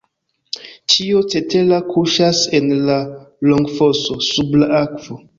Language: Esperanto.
Ĉio cetera kuŝas en la longfoso sub la akvo.